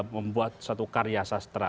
membuat satu karya sastra